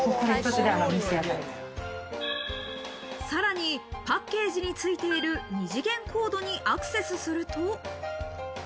さらに、パッケージについている二次元コードにアクセスすると。